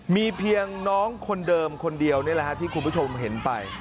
มีเพียงน้องคนเดิมคนเดียวนี่แหละที่คุณผู้ชมเห็นไป